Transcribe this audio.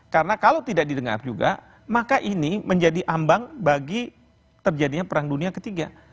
karena kalau tidak didengar juga maka ini menjadi ambang bagi terjadinya perang dunia ketiga